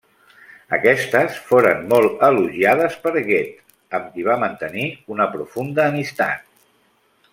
Aquestes foren molt elogiades per Goethe, amb qui va mantenir una profunda amistat.